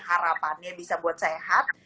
harapannya bisa buat sehat